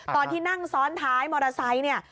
ตอนที่นั่งซ้อนท้ายมอเตอร์ไซส์